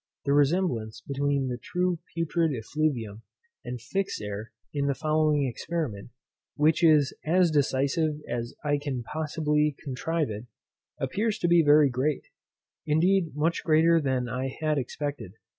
The resemblance between the true putrid effluvium and fixed air in the following experiment, which is as decisive as I can possibly contrive it, appeared to be very great; indeed much greater than I had expected.